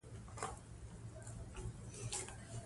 فاریاب د افغانستان د طبعي سیسټم توازن ساتي.